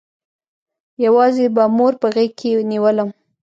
يوازې به مور په غېږ کښې نېولم.